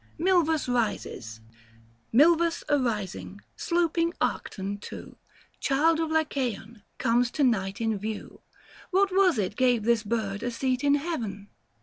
845 MILVUS EISES. Milvus arising — sloping Arcton to, Child of Lycaon — comes to night in view. What was it gave this bird a seat in Heaven